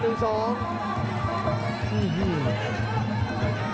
อื้อฮือ